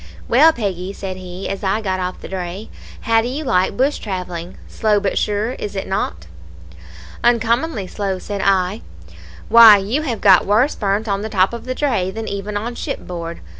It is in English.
"'Well, Peggy,' said he, as I got off the dray, 'how do you like bush travelling? Slow, but sure, is it not?' "'Uncommonly slow,' said I. "'Why, you have got worse burnt on the top of the dray than even on shipboard.